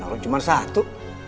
orang cuma satu